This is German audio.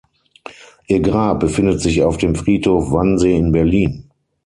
Ihr Grab befindet sich auf dem Friedhof Wannsee in Berlin.